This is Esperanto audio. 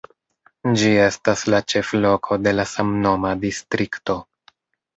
Ĝi estas la ĉefloko de la samnoma distrikto.